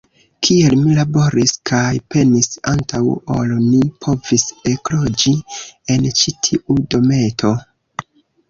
Kiel mi laboris kaj penis antaŭ ol ni povis ekloĝi en ĉi tiu dometo!